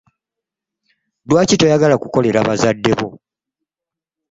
Lwaki toyagala kukolera bazade bo?